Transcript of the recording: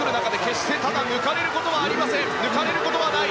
抜かれることはなく。